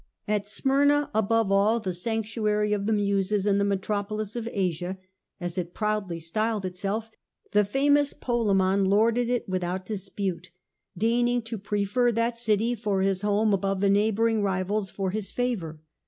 At Smyrna above all, the sanctuary of the Muses and the metropolis of Asia, as it proudly styled itself, the Tolemon famous Polemon lorded it without dispute, deigning to prefer that city for his home above the neighbouring rivals for his favour.